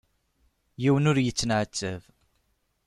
Yiwen ur yettenɛettab.